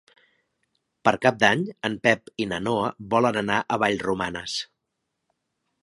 Per Cap d'Any en Pep i na Noa volen anar a Vallromanes.